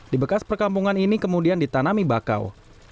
di bekas perkampungan ini kemudian ditanami bakau